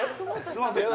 すみません。